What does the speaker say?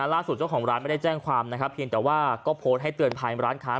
เจ้าของร้านไม่ได้แจ้งความนะครับเพียงแต่ว่าก็โพสต์ให้เตือนภัยร้านค้า